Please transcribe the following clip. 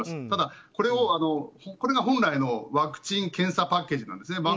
ただ、これが本来のワクチン・検査パッケージなんですね。